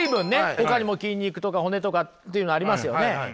ほかにも筋肉とか骨とかっていうのありますよねはい。